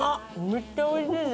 めっちゃおいしいです。